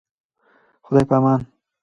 خداي پامان.